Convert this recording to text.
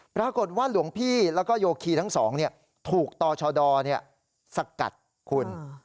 ปรากฏว่าหลวงพี่แล้วก็โยคีทั้งสองถูกต่อชดสกัดคุณ